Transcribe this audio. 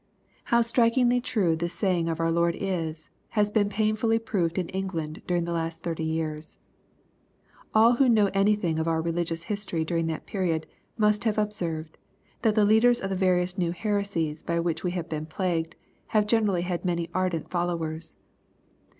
How strikingly true this saying of our Lord is, has been painfully proved in England during the last thirty years. All who know anything of our religious history during that period, must have observed, that the leaders of the various new heresies by which we have been plagu'^d, have generally had many ardent followers.